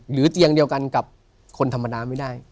เตียงเดียวกันกับคนธรรมดาไม่ได้